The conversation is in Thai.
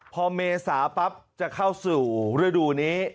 พอเมษาปั๊บจะเข้าสู่ฤดูนี้